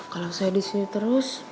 kalo saya disini terus